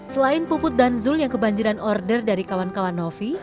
selain puput dan zul yang kebanjiran order dari kawan kawan novi